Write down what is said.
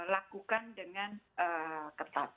lakukan dengan ketat